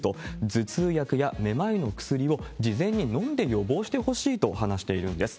頭痛薬やめまいの薬を事前に飲んで予防してほしいと話しているんです。